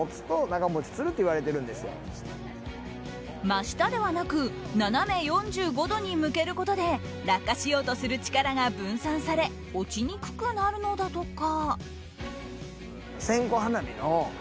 真下ではなく斜め４５度に向けることで落下しようとする力が分散され落ちにくくなるのだとか。